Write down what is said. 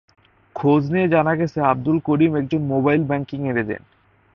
খোঁজ নিয়ে জানা গেছে, আবদুল করিম একজন মোবাইল ব্যাংকিংয়ের এজেন্ট।